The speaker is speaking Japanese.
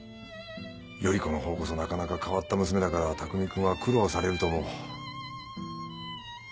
依子の方こそなかなか変わった娘だから巧君は苦労されると思う。